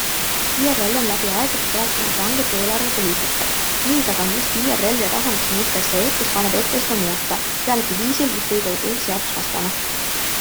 IRL on läbi aegade toetanud ranget eelarvepoliitikat, nüüd aga on just IRL rahandusminister see, kes paneb ette seda muuta, pealegi viisil, mis võib olla põhiseadusvastane.